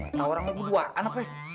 ah tau orangnya keduaan apa ya